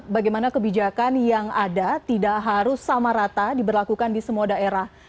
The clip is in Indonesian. bagaimana kebijakan yang ada tidak harus sama rata diberlakukan di semua daerah